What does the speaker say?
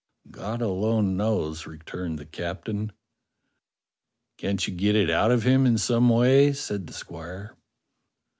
"God alone knows," returned the captain. "Can't you get it out of him in some way?" said the squire.